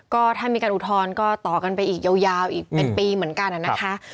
ก็ถ้ามีการอุทธรณ์ก็ต่อกันไปอีกยาวอีกเป็นปีเหมือนกันนะคะ